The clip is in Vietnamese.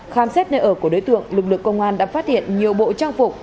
khám xét nơi ở của đối tượng lực lượng công an đã phát hiện nhiều bộ trang phục